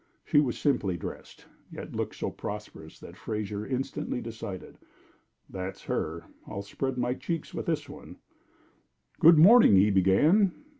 She was simply dressed, yet looked so prosperous that Fraser instantly decided: "That's her! I'll spread my checks with this one." "Good morning!" he began.